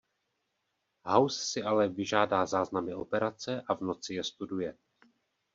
House si ale vyžádá záznamy operace a v noci je studuje.